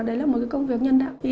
đấy là một cái công việc nhân đạo